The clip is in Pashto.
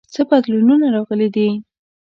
څه بدلونونه راغلي دي؟